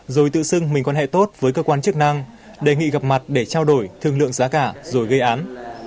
rồi tự xưng mình quan hệ tốt với cơ quan chức năng đề nghị gặp mặt để trao đổi thương lượng giá cả rồi gây án